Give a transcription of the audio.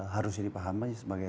harus dipahami sebagai